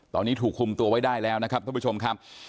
ตอนนี้ถูกคุมตัวไว้ได้แล้วนะครับท่านผู้ชมครับ